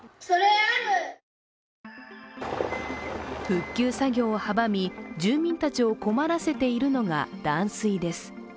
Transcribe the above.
復旧作業を阻み、住民たちを困らせているのが断水です。